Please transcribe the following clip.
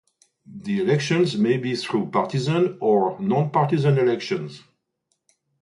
The elections may be through partisan or non-partisan elections.